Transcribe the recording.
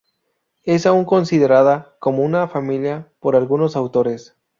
Es aún considerada como una familia por algunos autores.